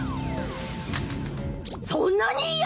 そんなに嫌！？